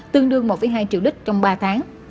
tương đương một hai triệu đích trong ba tháng